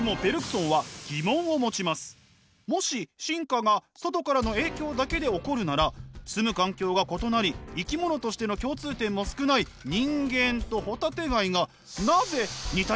もし進化が外からの影響だけで起こるなら住む環境が異なり生き物としての共通点も少ない人間とホタテガイがなぜ似たような目を持っているのか。